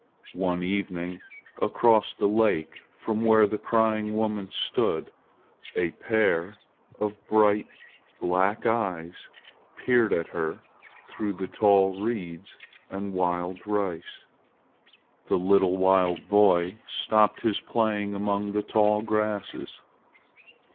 One evening, across the lake from where the crying woman stood, a pair of bright black eyes peered at her through the tall reeds and wild rice. A little wild boy stopped his play among the tall grasses.